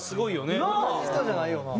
同じ人じゃないよな。